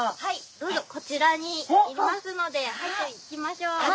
どうぞこちらにいますのではいじゃあ行きましょう！